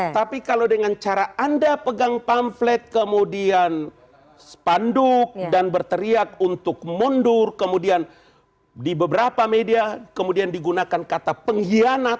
tapi kalau dengan cara anda pegang pamflet kemudian spanduk dan berteriak untuk mundur kemudian di beberapa media kemudian digunakan kata pengkhianat